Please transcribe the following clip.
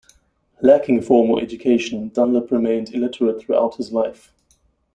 Lacking formal education, Dunlap remained illiterate throughout his life.